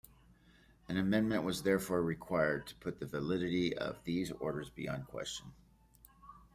An amendment was therefore required to put the validity of these orders beyond question.